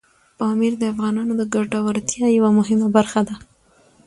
پامیر د افغانانو د ګټورتیا یوه مهمه برخه ده.